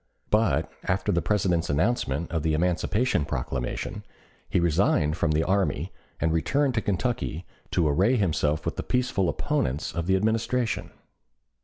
But after the President's announcement of the Emancipation Proclamation, he resigned from the army and returned to Kentucky to array himself with the peaceful opponents of the Administration.